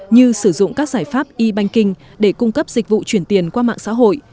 như sử dụng các giải pháp e banking để cung cấp dịch vụ chuyển tiền qua mạng xã hội